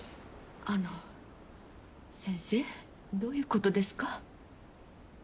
あの先生どういうことですか？